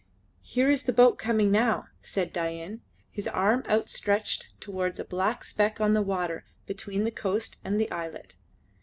"Here is the boat coming now," said Dain, his arm outstretched towards a black speck on the water between the coast and the islet.